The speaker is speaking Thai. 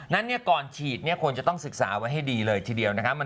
นั้นก่อนฉีดควรจะต้องศึกษาไว้ให้ดีเลยทีเดียวนะคะ